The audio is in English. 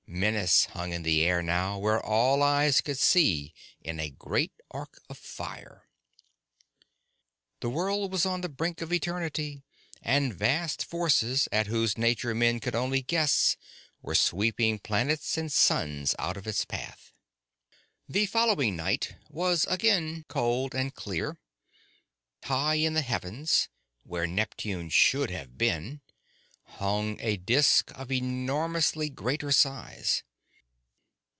Menace hung in the sky now where all eyes could see in a great arc of fire! The world was on the brink of eternity, and vast forces at whose nature men could only guess were sweeping planets and suns out of its path. The following night was again cold and clear. High in the heavens, where Neptune should have been, hung a disk of enormously greater size.